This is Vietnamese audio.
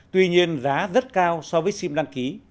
tuy nhiên giá rất cao so với sim đăng ký